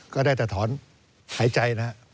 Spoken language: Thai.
ก็ได้แต่ถอนหายใจนะครับ